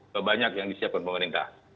kebanyak yang disiapkan pemerintah